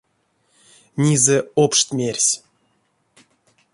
Низэ општ мерсь.